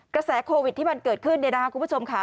กระแสโควิดที่มันเกิดขึ้นคุณผู้ชมค่ะ